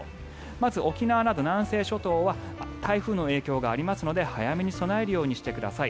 まず沖縄など南西諸島は台風の影響がありますので早めに備えるようにしてください。